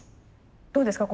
どうですか？